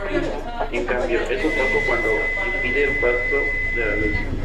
En cambio, es opaco cuando impide el paso de la luz.